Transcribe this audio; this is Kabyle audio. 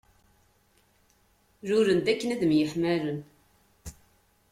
Lulen-d akken ad myeḥmalen.